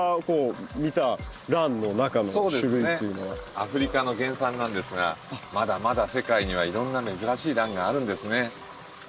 アフリカの原産なんですがまだまだ世界にはいろんな珍しいランがあるんですね。